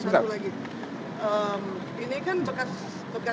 suap yang dimakut